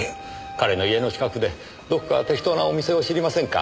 彼の家の近くでどこか適当なお店を知りませんか？